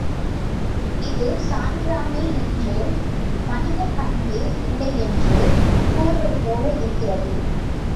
இது சான்றாண்மை இன்றேல் மனிதப் பண்பே இல்லையென்று கூறுவதுபோல இருக்கிறது.